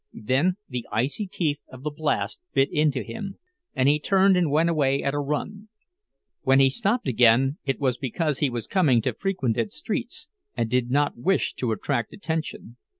Then the icy teeth of the blast bit into him, and he turned and went away at a run. When he stopped again it was because he was coming to frequented streets and did not wish to attract attention.